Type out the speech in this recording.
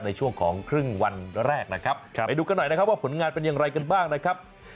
ในช่วงของครึ่งวันแรกนะครับไปดูกันหน่อยนะครับว่าผลงานเป็นอย่างไรกันบ้างนะครับ